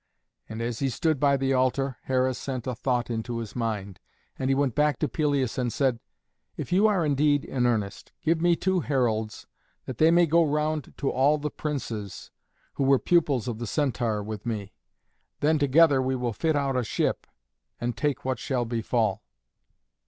And as he stood by the altar Hera sent a thought into his mind. And he went back to Pelias and said, "If you are indeed in earnest, give me two heralds that they may go round to all the Princes, who were pupils of the Centaur with me. Then together we will fit out a ship, and take what shall befall."